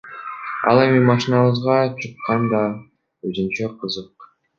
Ал эми машинабызга чыккан да өзүнчө кызык.